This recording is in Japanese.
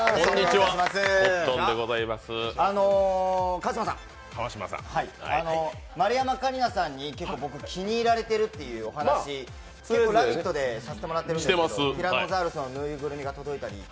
川島さん、丸山桂里奈さんに僕、結構気に入られてるというお話結構「ラヴィット！」でさせてもらってるんですけど、ティラノザウルスの縫いぐるみが届いたり。